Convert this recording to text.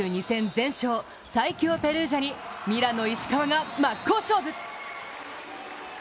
全勝、最強ペルージャにミラノ・石川が真っ向勝負。